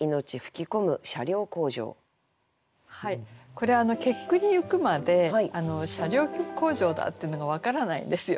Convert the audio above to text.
これ結句にいくまで車両工場だっていうのが分からないんですよね。